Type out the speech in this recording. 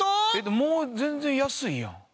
もう全然安いやん。